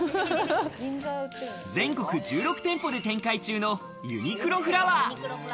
全国１６店舗で展開中のユニクロフラワー。